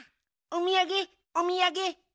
おみやげおみやげ。